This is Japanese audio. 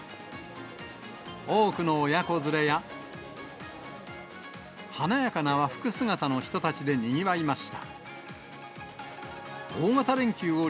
多くの親子連れや、華やかな和服姿の人たちでにぎわいました。